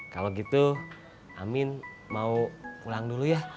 kalau gitu amin mau pulang dulu ya